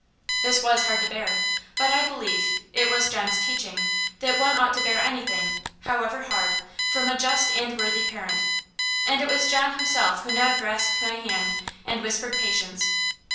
This was hard to bear; but I believe it was John's teaching that one ought to bear anything, however hard, from a just and worthy parent. And it was John himself who now grasped my hand, and whispered patience.